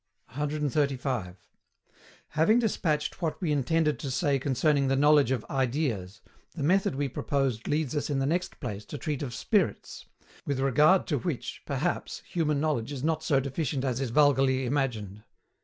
135. Having despatched what we intended to say concerning the knowledge of IDEAS, the method we proposed leads us in the next place to treat of SPIRITS with regard to which, perhaps, human knowledge is not so deficient as is vulgarly imagined.